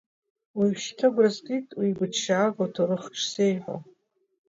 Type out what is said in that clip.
Уажәшьҭа агәра згеит уи игәыҭшьаагоу ҭоурыхк шсеиҳәо.